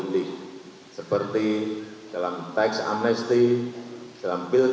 juga untuk dukungan partai bulgar dalam mensukseskan kebijakan kebijakan ekonomi dan politik